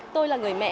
tôi là người mẹ